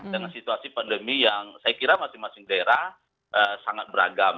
dengan situasi pandemi yang saya kira masing masing daerah sangat beragam